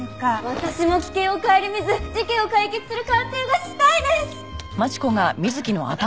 私も危険を顧みず事件を解決する鑑定がしたいです。